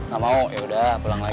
gak mau yaudah pulang lagi